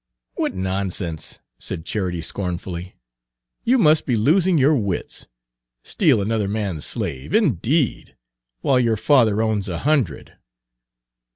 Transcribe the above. "What nonsense!" said Charity scornfully. "You must be losing your wits. Steal another man's slave, indeed, while your father owns a hundred!"